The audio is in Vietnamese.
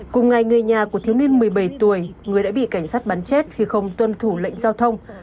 cùng ngày người nhà của thiếu niên một mươi bảy tuổi người đã bị cảnh sát bắn chết khi không tuân thủ lệnh giao thông